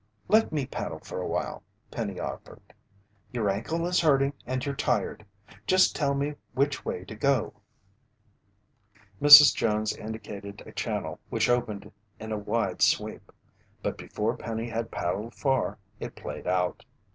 "Let me paddle for awhile," Penny offered. "Your ankle is hurting and you're tired. Just tell me which way to go." Mrs. Jones indicated a channel which opened in a wide sweep. But before Penny had paddled far, it played out.